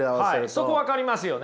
はいそこ分かりますよね。